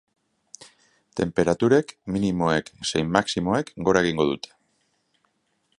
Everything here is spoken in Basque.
Tenperaturek, minimoek zein maximoek, gora egingo dute.